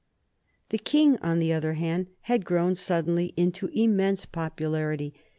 The King, on the other hand, had grown suddenly into immense popularity.